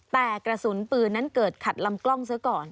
แต่กระสุนปืนนั้นเกิดขัดลำกล้องซะก่อน